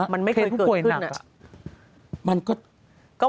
มันไม่เคยเกิดขึ้น